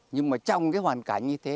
nhưng mà trong cái hoàn cảnh như thế